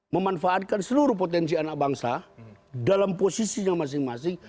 memanfaatkan seluruh potensi anak bangsa dalam posisinya masing masing